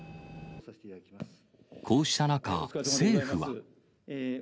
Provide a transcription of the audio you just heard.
こうした中、政府は。